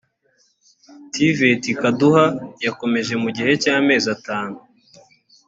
tvt kaduha yakoze mu gihe cy amezi atanu